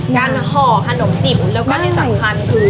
ห่อขนมจิ๋มแล้วก็ที่สำคัญคือ